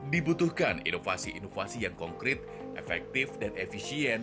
dibutuhkan inovasi inovasi yang konkret efektif dan efisien